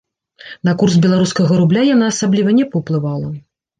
На курс беларускага рубля яна асабліва не паўплывала.